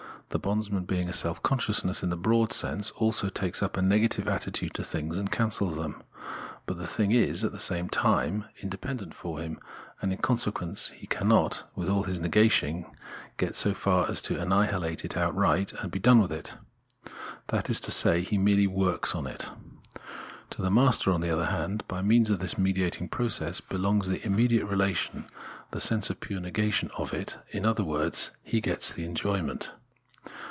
The bondsman being a self conscious aess in the broad sense, also takes up a negative attitude to things and cancels them ; but the thing is, at the same time, independent for him, and, in consequence, he cannot, with all his negating, get so far as to annihilate it outright and be done with it ; that is to say, he merely works on it. To the master, on the other hand, by means of this mediatiag process, belongs the imme diate relation, in the sense of the pure negation of it, in other words he gets the enjoyment.